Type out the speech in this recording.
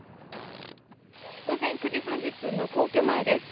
午前９時３０分の皇居前です。